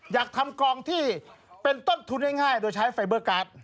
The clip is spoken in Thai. อยากทำกองที่เป็นต้นทุนง่ายโดยใช้ไฟเบอร์การ์ด